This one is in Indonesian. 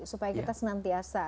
supaya kita senantiasa